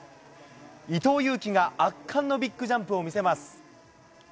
伊藤有希が圧巻のビッグジャンプを見せます。